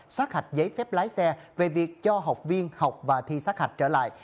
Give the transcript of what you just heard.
sát hạch giấy phép lái xe về việc cho học viên học và thi sát hạch trở lại